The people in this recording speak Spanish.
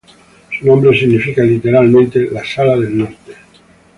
Su nombre significa literalmente "la sala del Norte".